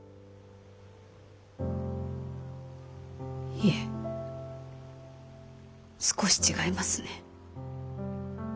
いえ少し違いますね。